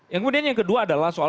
yang kemudian yang kedua adalah soal